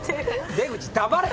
出口黙れ！